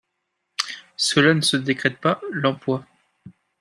Cela ne se décrète pas, l’emploi